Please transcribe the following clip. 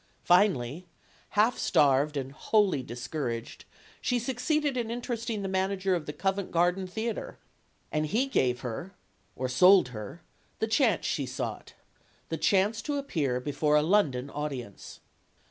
Finally, half starved and wholly discouraged, she PEG WOFFINGTON 45 succeeded in interesting the manager of the Covent Garden Theater. And he gave her, or sold her, the chance she sought the chance to appear before a London audience.